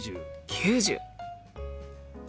９０。